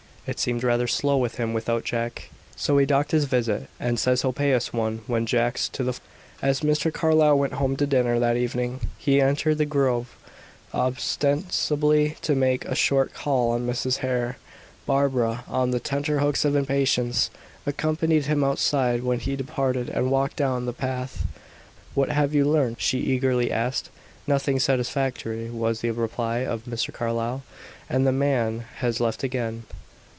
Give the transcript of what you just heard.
"It seemed rather slow with him without Jack, so he docked his visit, and says he'll pay us one when Jack's to the fore." As Mr. Carlyle went home to dinner that evening, he entered the grove, ostensibly to make a short call on Mrs. Hare. Barbara, on the tenterhooks of impatience, accompanied him outside when he departed, and walked down the path. "What have you learnt?" she eagerly asked. "Nothing satisfactory," was the reply of Mr. Carlyle. "And the man has left again."